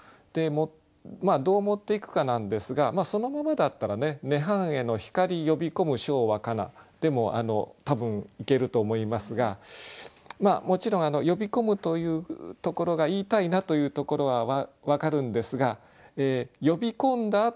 でどう持っていくかなんですがそのままだったら「涅槃会のひかり呼び込む唱和かな」でも多分いけると思いますがもちろん「呼び込む」というところが言いたいなというところは分かるんですが呼び込んだ